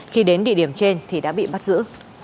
khi đến địa điểm trên thì đã bị bắt giữ